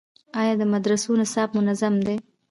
آیا د مدرسو نصاب منظم دی؟